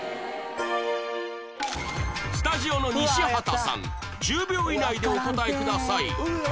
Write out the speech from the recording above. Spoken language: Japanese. スタジオの西畑さん１０秒以内でお答えください